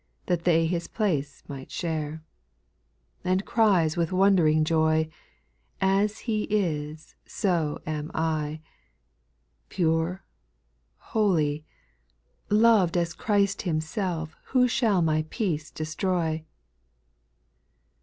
That they His place might share ;— 5. And cries with wondering joy, " As He is so am I," Pure, holy, loved as Christ Himself Who shall my peace destroy